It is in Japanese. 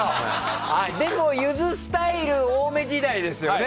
でも、ゆずスタイル多め時代ですよね。